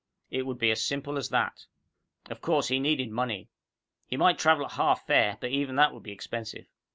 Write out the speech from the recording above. It would be as simple as that. Of course, he needed money. He might travel at half fare, but even that would be expensive.